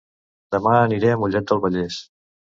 Dema aniré a Mollet del Vallès